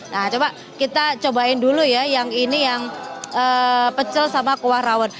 nah coba kita cobain dulu ya yang ini yang pecel sama kuah rawon